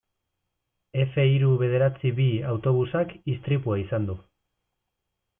Efe hiru bederatzi bi autobusak istripua izan du.